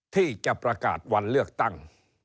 ที่จะประกาศวันเลือกตั้ง